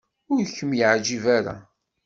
Ur kem-iɛejjeb ara.